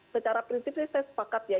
secara prinsipnya saya sepakat ya